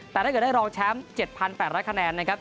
แต่ถ้าเกิดได้รองแชมป์๗๘๐๐คะแนนนะครับ